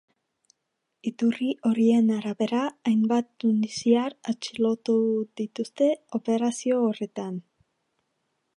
Iturri horien arabera, hainbat tunisiar atxilotu dituzte operazio horretan.